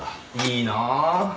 いいなぁ。